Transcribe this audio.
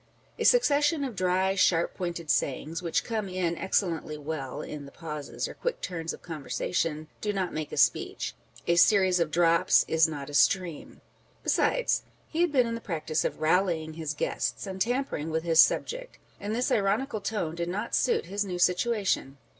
A succession of dry, sharp pointed sayings, which come in excellently well in the pauses or quick turns of conversation, do not make a speech. A series of drops is not a stream. Besides, he had been in the practice of rallying his guests and tampering with his subject ; and this ironical tone did not suit his new situation.